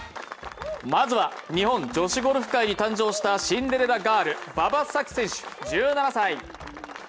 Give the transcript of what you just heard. まずは日本女子ゴルフ界に誕生したシンデレラガール、馬場咲希選手１７歳。